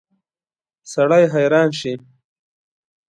سړی حیران شي.